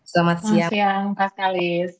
selamat siang mas kalis